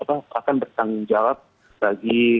akan bertanggung jawab bagi